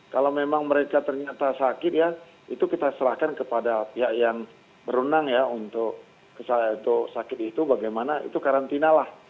kalau memang mereka ternyata sakit ya itu kita serahkan kepada pihak yang berenang ya untuk sakit itu bagaimana itu karantina lah